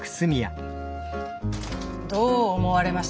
どう思われましたかボス。